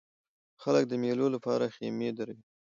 خلک د مېلو له پاره خیمې دروي.